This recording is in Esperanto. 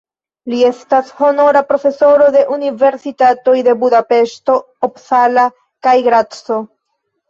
Li estas honora profesoro de universitatoj de Budapeŝto, Uppsala kaj Graco.